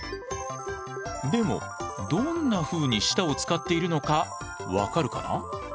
でもどんなふうに舌を使っているのか分かるかな？